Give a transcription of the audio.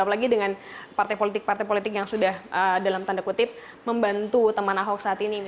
apalagi dengan partai politik partai politik yang sudah dalam tanda kutip membantu teman ahok saat ini